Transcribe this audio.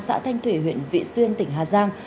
xã thanh thủy huyện vị xuyên tỉnh hà giang